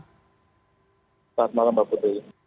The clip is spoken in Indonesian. selamat malam mbak putri